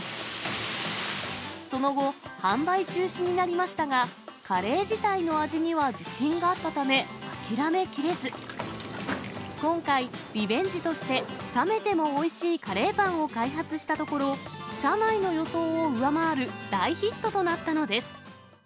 その後、販売中止になりましたが、カレー自体の味には自信があったため、諦めきれず、今回、リベンジとして冷めてもおいしいカレーパンを開発したところ、社内の予想を上回る大ヒットとなったのです。